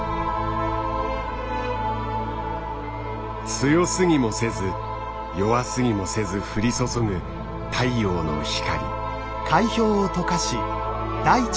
強すぎもせず弱すぎもせず降り注ぐ太陽の光。